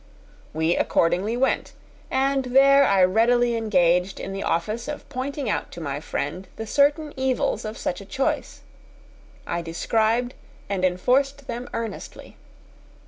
We accordingly went and there I readily engaged in the office of pointing out to my friend the certain evils of such a choice. I described and enforced them earnestly.